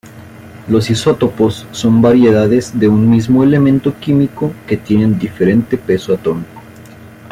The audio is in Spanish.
Los isótopos son variedades de un mismo elemento químico que tienen diferente peso atómico.